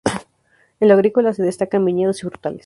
En lo agrícola se destacan viñedos y frutales.